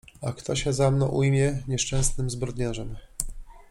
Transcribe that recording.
Ach, kto się za mną ujmie, nieszczęsnym zbrodniarzem.